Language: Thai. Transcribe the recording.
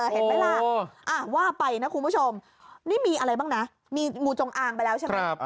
เห็นไหมล่ะว่าไปนะคุณผู้ชมนี่มีอะไรบ้างนะมีงูจงอางไปแล้วใช่ไหม